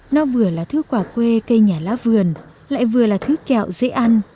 nó vừa là thứ quả quê cây nhà lá vườn lại vừa là thứ kẹo dễ ăn